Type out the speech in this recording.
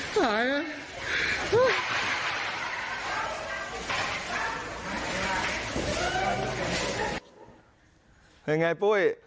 เห็นไงปุ้ย